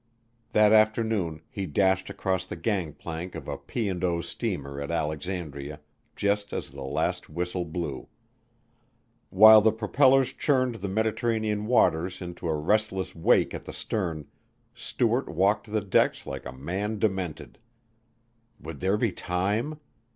That afternoon he dashed across the gangplank of a P. and O. steamer at Alexandria just as the last whistle blew. While the propellers churned the Mediterranean waters into a restless wake at the stern, Stuart walked the decks like a man demented. Would there be time?